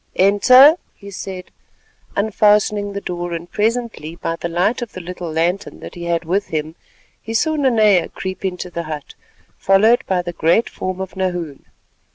"Enter," he said, unfastening the door, and presently by the light of the little lantern that he had with him, he saw Nanea creep into the hut, followed by the great form of Nahoon.